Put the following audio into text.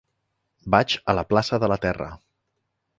Vaig a la plaça de la Terra.